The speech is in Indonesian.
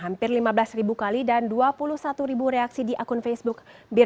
hampir lima belas ribu kali dan dua puluh satu ribu reaksi di akun facebook